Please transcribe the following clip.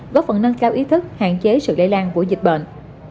góp phần nâng cao ý thức hạn chế sự lây lan của dịch bệnh